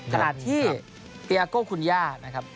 ขณะที่เตียอาโก้คุณย่านะครับ